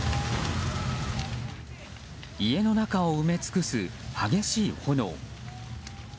家の中を埋め尽くす激しい炎。